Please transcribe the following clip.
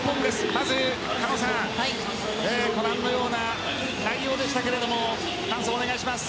まず、狩野さんご覧のような内容でしたけども感想をお願いします。